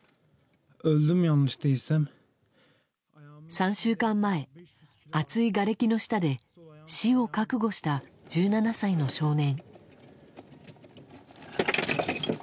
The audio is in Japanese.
３週間前、厚いがれきの下で死を覚悟した１７歳の少年。